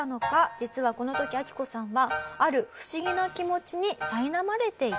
実はこの時アキコさんはある不思議な気持ちにさいなまれていたんです。